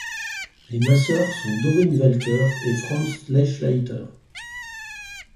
Les masseurs sont Dorin Welker et Franz Lechleiter.